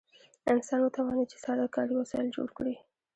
انسان وتوانید چې ساده کاري وسایل جوړ کړي.